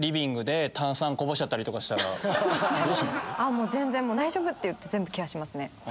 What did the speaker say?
もう全然大丈夫？って全部ケアします。